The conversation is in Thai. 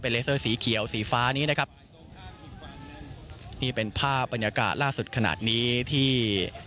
เลเซอร์สีเขียวสีฟ้านี้นะครับนี่เป็นภาพบรรยากาศล่าสุดขนาดนี้ที่